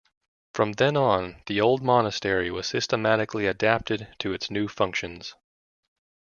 From then on, the old monastery was systematically adapted to its new functions.